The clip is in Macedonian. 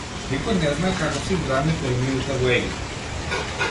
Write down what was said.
Никој не знае како се изградени пирамидите во Египет.